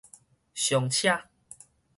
尚且